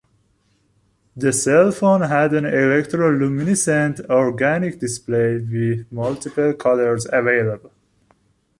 The cell-phone had an electro-luminescent Organic display with multiple colors available.